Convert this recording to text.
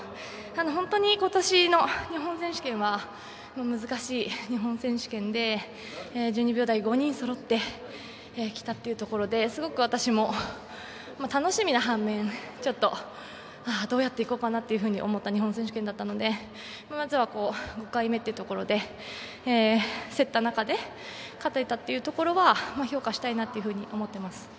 本当に、今年の日本選手権は難しい日本選手権で１２秒台が５人そろってきたというところですごく私も楽しみな反面どうやって行こうかなと思った、日本選手権だったのでまずは競った中で勝てたというところは評価したいなと思ってます。